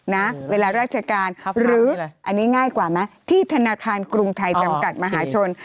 นะเวลาราชการหรืออันนี้ง่ายกว่าไหมที่ธนาคารกรุงไทยจำกัดมหาชน